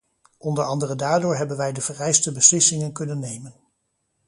Onder andere daardoor hebben wij de vereiste beslissingen kunnen nemen.